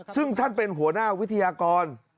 ซึ่งท่านเป็นหัวหน้าวิทยากร